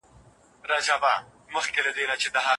ځوانان کولای سي چي د ټولني فکري جمود مات کړي.